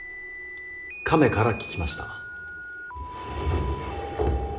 亀から聞きました。